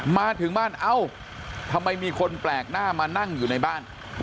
มาถึงบ้านเอ้าทำไมมีคนแปลกหน้ามานั่งอยู่ในบ้าน